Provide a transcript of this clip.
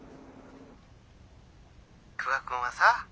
久我君はさ